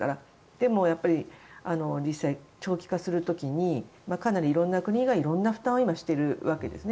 でも、実際長期化する時にかなり色んな国が色んな負担を今、しているわけですね。